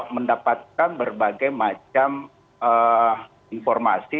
mendapatkan berbagai macam informasi